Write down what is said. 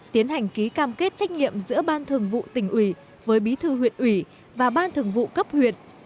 tiến hành ký cam kết trách nhiệm giữa ban thường vụ tỉnh ủy với bí thư huyện ủy và ban thường vụ cấp huyện